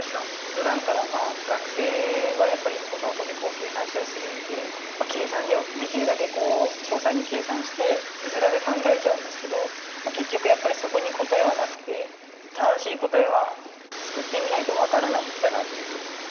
ふだんから学生はやっぱりノートで計算したりするので計算ではできるだけこう詳細に計算して字面で考えちゃうんですけど結局やっぱりそこに答えはなくて正しい答えは作ってみないと分からないんだなっていうふうに。